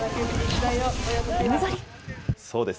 そうです。